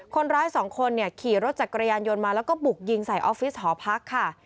คนร้ายสองคนเนี่ยขี่รถจักรยานยนต์มาแล้วก็บุกยิงใส่ออฟฟิศหอพักค่ะ